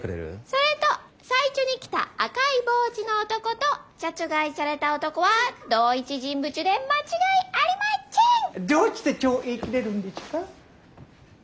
それとさいちょに来た赤いボウチの男と殺害ちゃれた男はどういちゅ人物で間違いありまちぇん！どうちてちょう言い切れるんでちゅか？